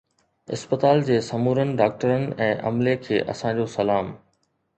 اسپتال جي سمورن ڊاڪٽرن ۽ عملي کي اسانجو سلام